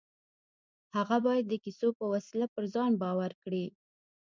هغه بايد د کيسو په وسيله پر ځان باور کړي.